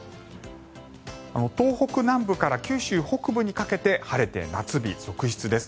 東北南部から九州北部にかけて晴れて、夏日続出です。